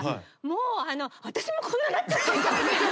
もう私もこんななっちゃって。